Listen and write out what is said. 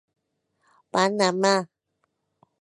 Panamà.